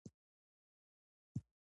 حسد مه کوئ.